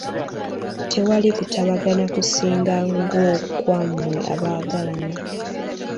Tewali kutabagana kusinga ng’okwammwe abaagalana.